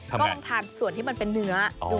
ก็ลองทานส่วนที่มันเป็นเนื้อ